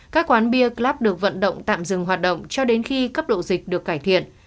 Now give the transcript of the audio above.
các quán bia club được vận động tạm dừng hoạt động cho đến khi cấp độ dịch được cải thiện